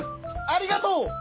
ありがとう！